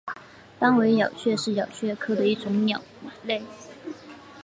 斑尾咬鹃是咬鹃科的一种鸟类。